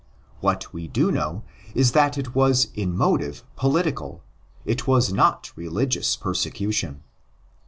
What we do know is that 1¢ was in motive political; it was not religious persecution.